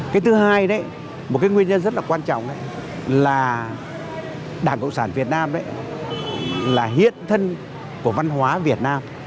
cái thứ hai đấy một cái nguyên nhân rất là quan trọng là đảng cộng sản việt nam là hiện thân của văn hóa việt nam